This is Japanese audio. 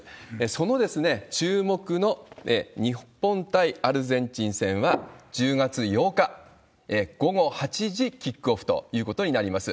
その注目の日本対アルゼンチン戦は、１０月８日午後８時キックオフということになります。